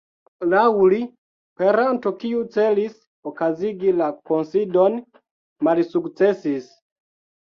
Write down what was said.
Laŭ li, peranto kiu celis okazigi la kunsidon malsukcesis.